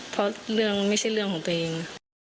เพราะเรื่องไม่ใช่เรื่องของตัวเอง